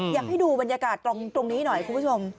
อยากให้ดูบรรยากาศตรงนี้หน่อยคุณผู้ชม